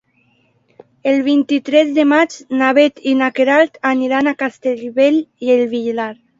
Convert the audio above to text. El vint-i-tres de maig na Bet i na Queralt aniran a Castellbell i el Vilar.